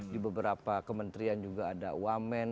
di beberapa kementrian juga ada uamen